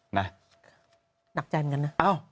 หนักใจเหมือนกันนะ